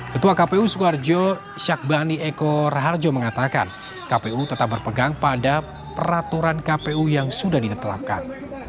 ketua kpu suwarjo syakbani eko raharjo mengatakan kpu tetap berpegang pada peraturan kpu yang sudah ditetapkan